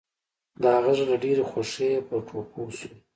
د هغه زړه له ډېرې خوښۍ پر ټوپو شو.